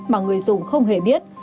mà người dùng không hề biết